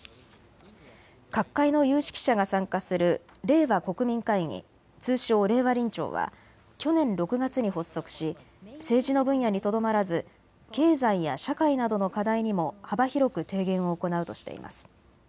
各界の有識者が参加する令和国民会議、通称、令和臨調は去年６月に発足し政治の分野にとどまらず経済や社会などの課題にも幅広く提言を行うとしています。